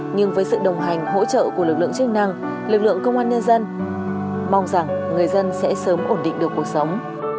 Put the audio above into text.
nhưng với sự đồng hành hỗ trợ của lực lượng chức năng lực lượng công an nhân dân mong rằng người dân sẽ sớm ổn định được cuộc sống